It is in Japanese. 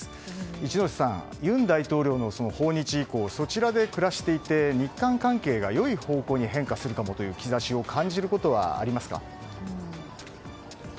一之瀬さん、尹大統領の訪日以降そちらで暮らしていて日韓関係が良い方向に変化するかもという兆しを感じることはありますか？